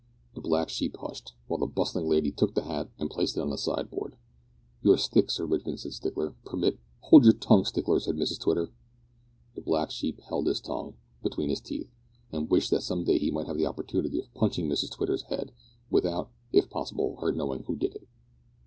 The black sheep hushed, while the bustling lady took the hat and placed it on the sideboard. "Your stick, Sir Richard," said Stickler, "permit " "Hold your tongue, Stickler," said Mrs Twitter. The black sheep held his tongue between his teeth, and wished that some day he might have the opportunity of punching Mrs Twitter's head, without, if possible, her knowing who did it.